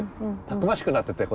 たくましくなっていたよ